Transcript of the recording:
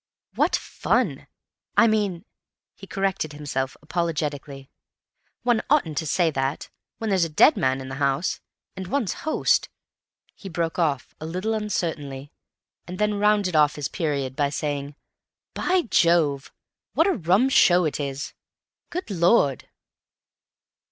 "What fun! I mean," he corrected himself apologetically, "one oughtn't to say that, when there's a man dead in the house, and one's host—" He broke off a little uncertainly, and then rounded off his period by saying again, "By Jove, what a rum show it is. Good Lord!"